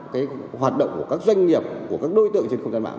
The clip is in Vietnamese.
cái hoạt động của các doanh nghiệp của các đối tượng trên không gian mạng